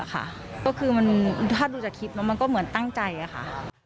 ก็คือถ้าดูจากคลิปแล้วมันก็เหมือนตั้งใจค่ะ